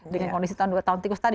dengan kondisi tahun tikus tadi